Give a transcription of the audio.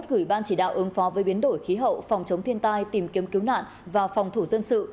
gửi ban chỉ đạo ứng phó với biến đổi khí hậu phòng chống thiên tai tìm kiếm cứu nạn và phòng thủ dân sự